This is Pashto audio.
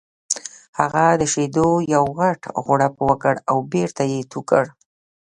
هغه د شیدو یو غټ غوړپ وکړ او بېرته یې تو کړ